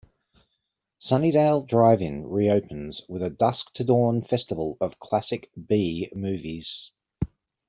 Sunnydale Drive-In reopens with a dusk-to-dawn festival of classic B movies.